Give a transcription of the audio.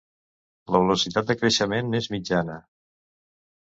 La velocitat de creixement és mitjana.